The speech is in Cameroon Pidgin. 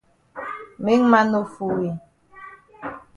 Make man no fool we.